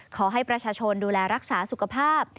ขอให้ประชาชนดูแลรักษาสุขภาพ